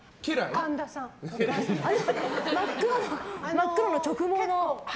真っ黒の直毛の。